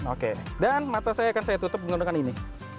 oke dan mata saya akan saya tutup menggunakan ini